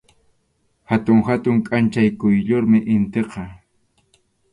Hatun hatun kʼanchaq quyllurmi initiqa.